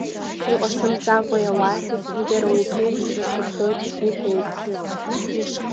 Иҟасымҵакәа иауазеи, иара убригь насыгӡоит, — иҳәеит.